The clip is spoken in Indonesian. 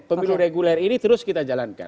pemilu reguler ini terus kita jalankan